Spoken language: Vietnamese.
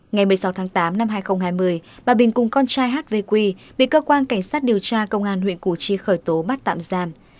ngày một mươi sáu tháng tám năm hai nghìn hai mươi bà bình cùng con trai h v q bị cơ quan cảnh sát điều tra công an huyện củ chi khởi tố mắt tạm giam